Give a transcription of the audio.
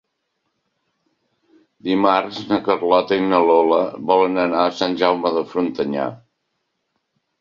Dimarts na Carlota i na Lola volen anar a Sant Jaume de Frontanyà.